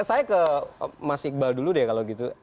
saya ke mas iqbal dulu deh kalau gitu